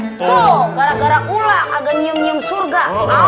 tuh gara gara ula agak nyium nyium surga